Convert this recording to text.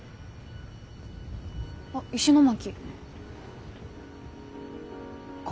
あっ石巻。